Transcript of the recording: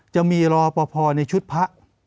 จะมีรอปภในชุดพระ